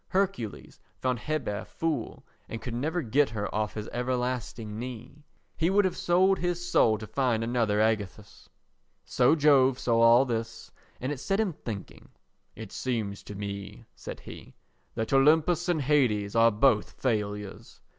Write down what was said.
Hercules found Hebe a fool and could never get her off his everlasting knee. He would have sold his soul to find another Ægisthus. So Jove saw all this and it set him thinking. "It seems to me," said he, "that Olympus and Hades are both failures."